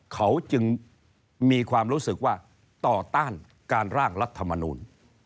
เขาจึงมีความรู้สึกว่าต่อต้านการร่างรัฐมนูล